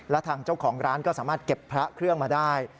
และทางเจ้าของร้านก็สามารถเก็บพระเครื่องมาได้